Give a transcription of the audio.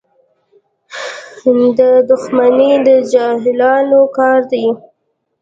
• دښمني د جاهلانو کار دی.